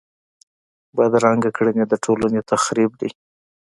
بدرنګه کړنې د ټولنې تخریب دي